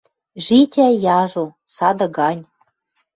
Житя яжо, сады гань.